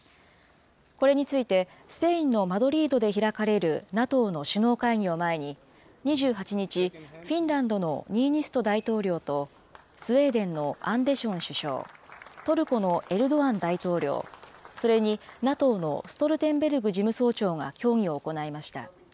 これについて、スペインのマドリードで開かれるＮＡＴＯの首脳会議を前に、２８日、フィンランドのニーニスト大統領と、スウェーデンのアンデション首相、トルコのエルドアン大統領、それにＮＡＴＯのストルテンベルグ事務総長が協議を行いました。